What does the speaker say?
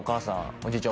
おじいちゃん